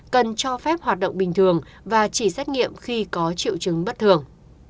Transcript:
cần cho phép hoạt động bình thường và chỉ xét nghiệm khi có triệu chứng bất thường